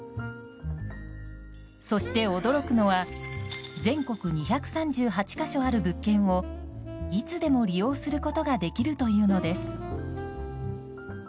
そして驚くのは全国２３８か所ある物件をいつでも利用することができるというのです。